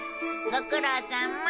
ご苦労さま。